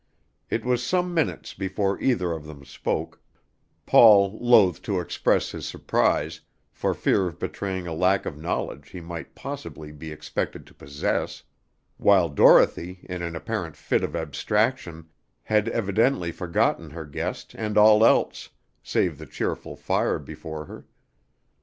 It was some minutes before either of them spoke Paul loth to express his surprise for fear of betraying a lack of knowledge he might possibly be expected to possess, while Dorothy, in an apparent fit of abstraction, had evidently forgotten her guest and all else, save the cheerful fire before her.